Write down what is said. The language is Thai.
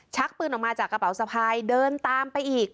ชักปืนออกมาจากกระเป๋าสะพายเดินตามไปอีก